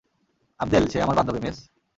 Abdel, সে আমার বান্ধবী, মেস।